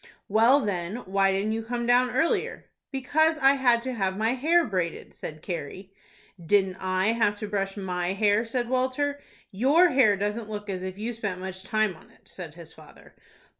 "Well, then, why didn't you come down earlier?" "Because I had to have my hair braided," said Carrie. "Didn't I have to brush my hair?" said Walter. "Your hair doesn't look as if you had spent much time on it," said his father.